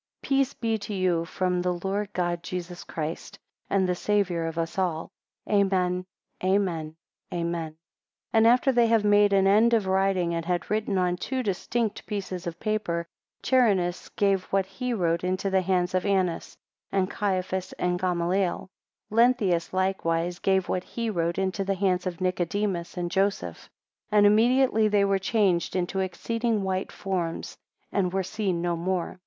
Peace be to you from the Lord God Jesus Christ, and the Saviour of us all. Amen, Amen, Amen. 7 And after they had made an end of writing, and had written on two distinct pieces of paper, Charinus gave what he wrote into the hands of Annas, and Caiaphas, and Gamaliel. 8 Lenthius likewise gave what he wrote into the hands of Nicodemus and Joseph; and immediately they were changed into exceeding white forms and were seen no more.